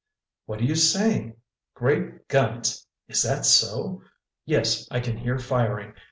What are you saying? Great guns—is that so? Yes, I can hear firing.